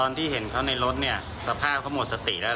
นี่ก็เลยลองไปตรวจรถดูก็เห็นเขานอนอยู่ในรถ